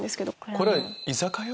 これ居酒屋？